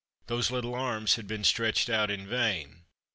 Those little arms had been stretched out in vain.